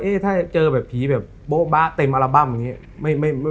เอ๊ะเจอแบบผีโบ๊ะบ๊ะเต็มอัลบั้มอย่างนี้